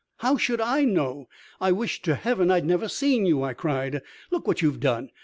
"How should I know! I wish to heaven I'd never seen you!" I cried. "Look what you've done!